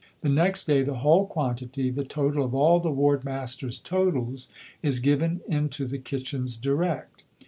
The next day the whole quantity, the total of all the Ward Masters' totals, is given into the kitchens direct.